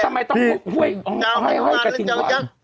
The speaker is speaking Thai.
จาวแล้วจัก